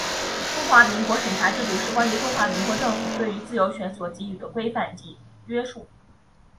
中华民国审查制度是关于中华民国政府对于自由权所给予的规范及约束。